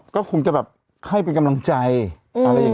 ก็คงจะแบบให้เป็นกำลังใจอะไรอย่างนี้